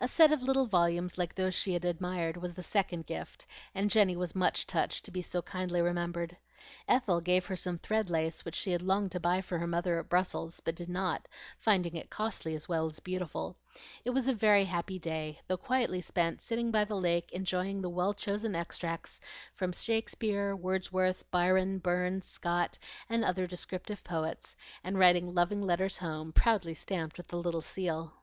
A set of little volumes like those she had admired was the second gift, and Jenny was much touched to be so kindly remembered. Ethel gave her some thread lace which she had longed to buy for her mother at Brussels, but did not, finding it as costly as beautiful. It was a very happy day, though quietly spent sitting by the lake enjoying the well chosen extracts from Shakspeare, Wordsworth, Byron, Burns, Scott, and other descriptive poets, and writing loving letters home, proudly stamped with the little seal.